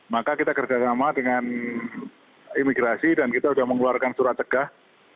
maka kita kerjasama dengan imigrasi dan kita sudah mengeluarkan surat cegah